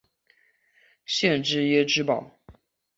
县治耶芝堡。